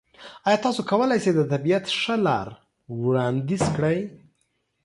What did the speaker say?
ایا تاسو کولی شئ د طبیعت ښه لار وړاندیز کړئ؟